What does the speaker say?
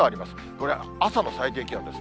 これ、朝の最低気温です。